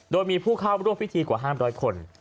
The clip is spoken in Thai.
โดยมีผู้เข้าร่วมพิธีกว่า๕๐๐คน